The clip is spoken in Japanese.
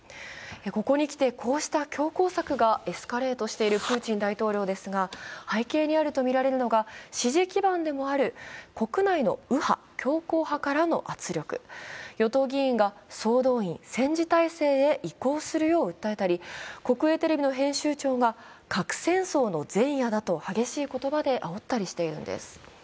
ここにきてこうした強硬策がエスカレートしているプーチン大統領ですが背景にあるとみられるのが支持基盤でもある国内の右派・強硬派からの圧力、与党議員が総動員、戦時体制へ移行するよう訴えたり国営テレビの編集長が、核戦争の前夜だと激しい言葉であおったりしているんです。